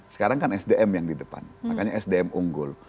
sekarang kan sdm yang di depan makanya sdm unggul